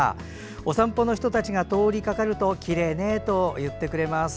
お散歩の人たちが通りかかるときれいねと言ってくれます。